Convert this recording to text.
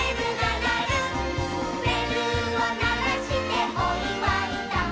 「べるをならしておいわいだ」